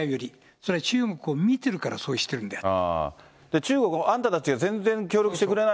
それは中国を見てるからそうしてるんであって。